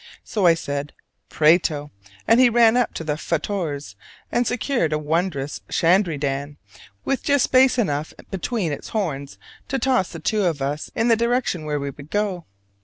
So I said "Prato," and he ran up to the fattore's and secured a wondrous shandry dan with just space enough between its horns to toss the two of us in the direction where we would go.